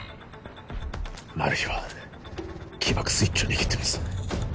マル被は起爆スイッチを握ってます